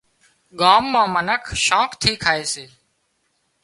ڳام مان منک شوق ٿِي کائي سي